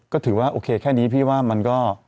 ก็ถือว่าโอเคแค่นี้พี่ว่ามันก็